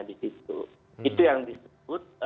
di situ itu yang disebut